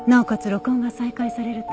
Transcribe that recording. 録音が再開されると。